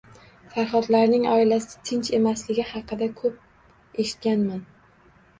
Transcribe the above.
Farhodlarning oilasi tinch emasligi haqida ko`p eshitganman